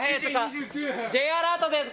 Ｊアラートです。